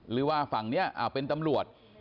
หรือว่าฝั่งนี้เป็นตำรวจ